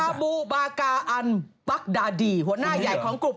บูบากาอันปักดาดีหัวหน้าใหญ่ของกลุ่ม